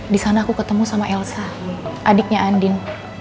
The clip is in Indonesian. di sana aku ketemu sama elsa adiknya andin